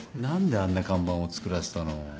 何であんな看板を作らせたの？